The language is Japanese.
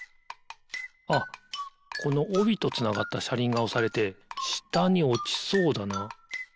あっこのおびとつながったしゃりんがおされてしたにおちそうだな。